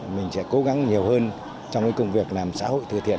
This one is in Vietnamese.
mình sẽ cố gắng nhiều hơn trong những công việc làm xã hội thừa thiện